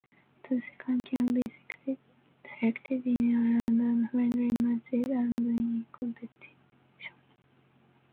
The second can be selected in a random friendly matches and in competition.